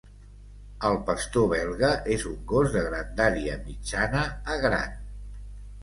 El pastor belga és un gos de grandària mitjana a gran.